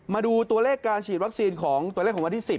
มาดูตัวเลขการฉีดวัคซีนของตัวเลขของวันที่๑๐